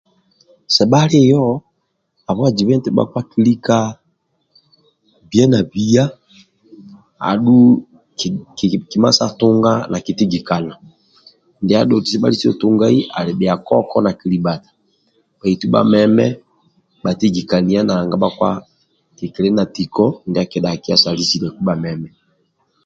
Sebhalio habwa jibe eti bhakpa kilika bia na bia adhu kima sa tunga nakitigikana ndia adhoti sebhalisio tungai ali koko na kilibhata bhaitu bhameme bhatigikania nanga bhikili na tiko sa lisiliaku bhameme